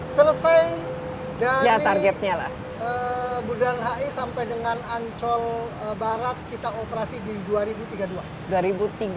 selesai dari budal hi sampai dengan ancol barat kita operasi di dua ribu tiga puluh dua